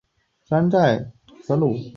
主要城镇为洛特河畔新城。